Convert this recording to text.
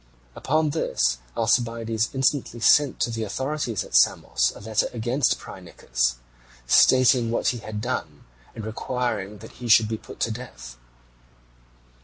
Upon this Alcibiades instantly sent to the authorities at Samos a letter against Phrynichus, stating what he had done, and requiring that he should be put to death.